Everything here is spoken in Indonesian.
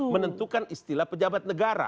menentukan istilah pejabat negara